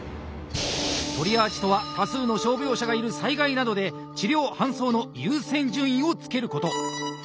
トリアージとは多数の傷病者がいる災害などで治療・搬送の優先順位をつけること。